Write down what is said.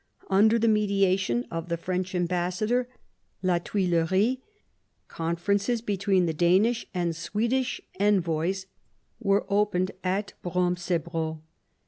Under the mediation of the French ambassador, la Thuillerie, conferences between the Danish and Swedish envoys were opened at Bromsebro.